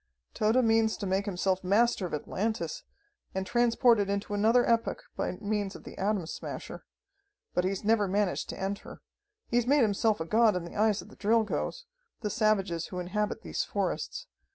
"Tode means to make himself master of Atlantis, and transport it into another epoch by means of the Atom Smasher. But he's never managed to enter. He's made himself a god in the eyes of the Drilgoes, the savages who inhabit these forests.